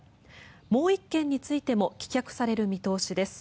もう１件についても棄却される見通しです。